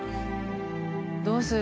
どうする？